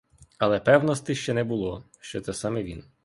Але певности ще не було, що це саме він.